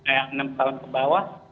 eh enam tahun ke bawah